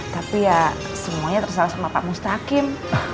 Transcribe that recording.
tapi ya semuanya terserah sama pak mustaqim